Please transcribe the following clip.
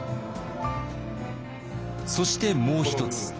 そしてもう一つ。